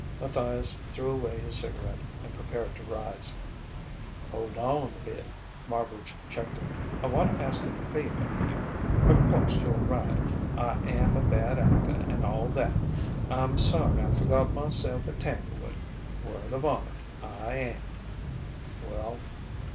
Matthias threw away his cigarette and prepared to rise. "Hold on a bit," Marbridge checked him. "I want to ask a favour of you.... Of course, you're right; I am a bad actor, and all that. I'm sorry I forgot myself at Tanglewood word of honour, I am!" "Well?"